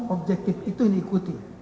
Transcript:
objektif itu yang diikuti